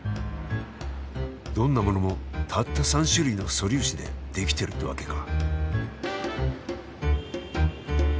どんなものもたった３種類の素粒子で出来てるってわけか。